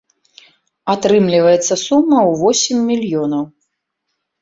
Атрымліваецца сума ў восем мільёнаў.